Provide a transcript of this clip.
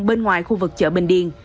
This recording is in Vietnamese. bên ngoài khu vực chợ bình điện